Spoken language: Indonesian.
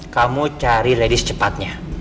kamu cari lady secepatnya